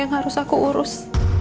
yang harus aku urus